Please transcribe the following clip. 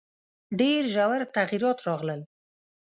ډېر ژور تغییرات راغلل.